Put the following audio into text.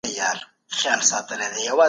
سیمه ایزې ستونزې څنګه مجلس ته رسیږي؟